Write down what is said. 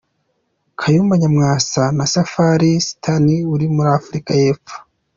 Kayumba Nyamwasa na Safari Stanley uri muri Afrika y’Epfo